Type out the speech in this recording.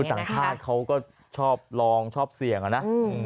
ต่างชาติเขาก็ชอบลองชอบเสี่ยงอะนะ